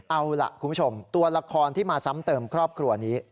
เอาล่ะคุณผู้ชมตัวละครที่มาซ้ำเติมครอบครัวนี้